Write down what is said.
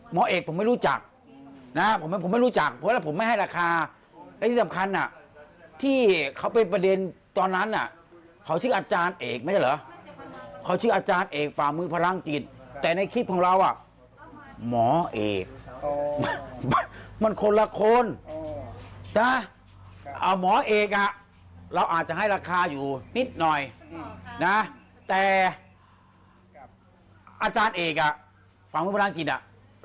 หมอเอกผมไม่รู้จักนะผมไม่รู้จักเพราะถ้าผมไม่ให้ราคาและที่สำคัญที่เขาเป็นประเด็นตอนนั้นเขาชื่ออาจารย์เอกไม่ใช่เหรอเขาชื่ออาจารย์เอกฝ่ามือพลังจิตแต่ในคลิปของเราอ่ะหมอเอกมันคนละคนนะหมอเอกอ่ะเราอาจจะให้ราคาอยู่นิดหน่อยนะแต่อาจารย์เอกอ่ะฝั่งคุณพลังจิตอ่ะ